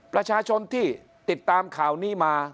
ประชาชนที่ติดตามข่าวนี้มา